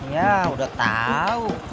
ya udah tahu